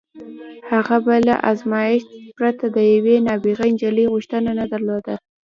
هغه به له ازمایښت پرته د یوې نابغه نجلۍ غوښتنه نه ردوله